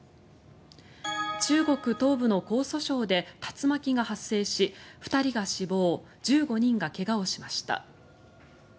中国東部の江蘇省で竜巻が発生し２人が死亡１５人が怪我をしました。